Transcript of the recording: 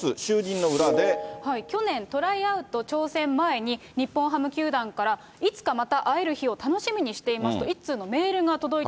去年、トライアウト挑戦前に、日本ハム球団から、いつかまた会える日を楽しみにしていますと、一通のメールが届い